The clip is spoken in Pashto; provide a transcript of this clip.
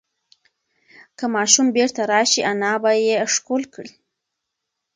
که ماشوم بیرته راشي، انا به یې ښکل کړي.